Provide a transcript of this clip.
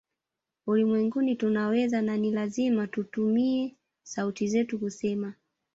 Ulimwenguni tunaweza na ni lazima tutumie sauti zetu kusema